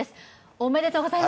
おめでとうございます。